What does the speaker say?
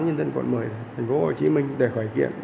nhân dân quận một mươi thành phố hồ chí minh để khởi kiện